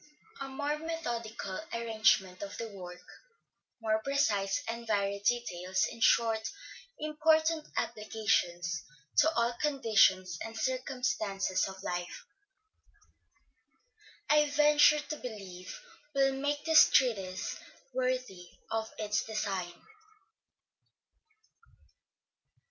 A more methodical arrangement of the work, more precise and varied details, in short, important applications to all conditions and circumstances of life, I venture to believe, will make this treatise worthy of its design.